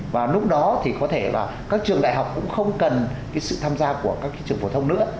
và lúc đó thì có thể là các trường đại học cũng không cần sự tham gia của các trường phổ thông nữa